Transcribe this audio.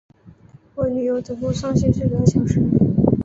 我女友走路上限是两小时